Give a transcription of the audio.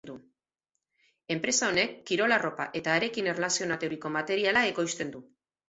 Enpresa honek kirol arropa eta harekin erlazionaturiko materiala ekoizten ditu.